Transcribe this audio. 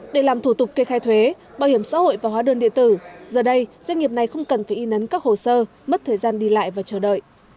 để làm thủ tục kê khai thuế bảo hiểm xã hội và hóa đơn điện tử giờ đây doanh nghiệp này không cần phải y nấn các hồ sơ mất thời gian đi lại và chờ đợi